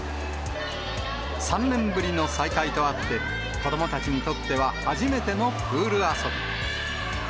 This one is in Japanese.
３年ぶりの再開とあって、子どもたちにとっては初めてのプール遊び。